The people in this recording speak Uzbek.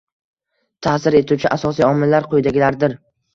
Ta’sir etuvchi asosiy omillar quyidagilardir.